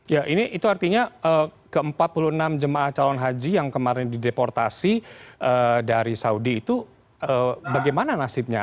ya ini itu artinya ke empat puluh enam jemaah calon haji yang kemarin dideportasi dari saudi itu bagaimana nasibnya